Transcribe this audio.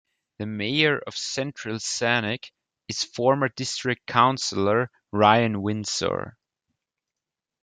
The mayor of Central Saanich is former district councillor Ryan Windsor.